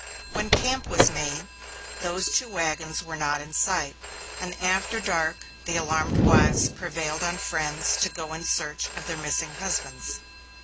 When camp was made, those two wagons were not in sight, and after dark the alarmed wives prevailed on friends to go in search of their missing husbands.